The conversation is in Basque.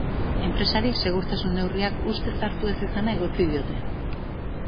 Enpresari segurtasun neurriak ustez hartu ez izana egotzi diote.